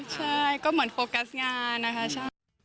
ใช่ก็เหมือนโฟกัสงานนะคะใช่